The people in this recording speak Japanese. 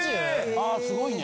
ああすごいね。